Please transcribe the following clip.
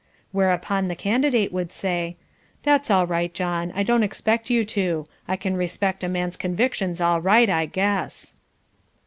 Whereupon the Candidate would say. "That's all right, John, I don't expect you to. I can respect a man's convictions all right, I guess."